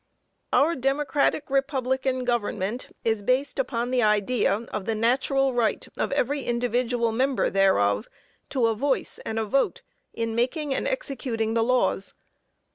Our democratic republican government is based on the idea of the natural right of every individual member thereof to a voice and a vote in making and executing the laws.